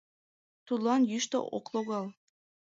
Тудлан йӱштӧ ок логал.